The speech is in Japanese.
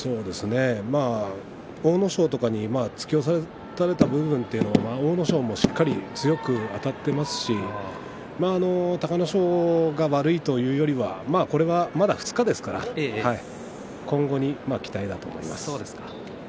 阿武咲とかには突き押された部分というのは阿武咲もしっかり強くあたってますし隆の勝が悪いというよりはまだ２日ですから今後に期待だと思います。